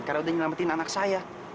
karena udah nyelamatin anak saya